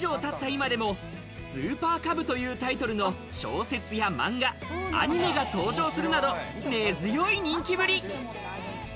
今でもスーパーカブというタイトルの小説や漫画、アニメが登場するなど根強い人気ぶり。